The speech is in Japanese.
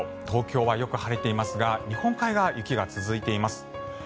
東京はよく晴れていますが日本海側は雪が続いています。